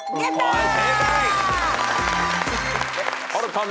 はい。